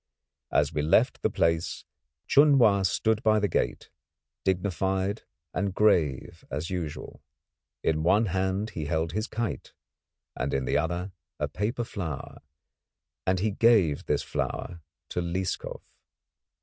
As we left the place Chun Wa stood by the gate, dignified, and grave as usual. In one hand he held his kite, and in the other a paper flower, and he gave this flower to Lieskov.